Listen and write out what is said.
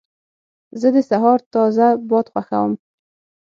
زه د سهار تازه باد خوښوم.